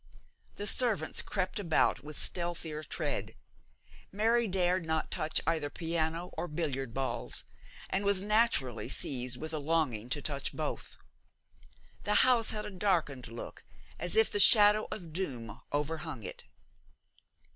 The servants crept about with stealthier tread. Mary dared not touch either piano or billiard balls, and was naturally seized with a longing to touch both. The house had a darkened look, as if the shadow of doom overhung it.